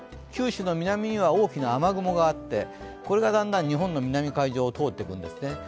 九州の南には、大きな雨雲があってこれがだんだん日本の南海上を通っていくんですね。